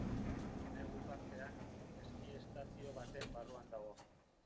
Negu partean, eski estazio baten barruan dago.